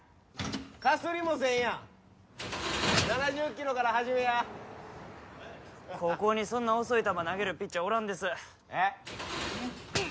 かすりもせんやん７０キロから始めや高校にそんな遅い球投げるピッチャーおらんです・えっ何？